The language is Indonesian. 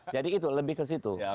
jadi itu lebih ke situ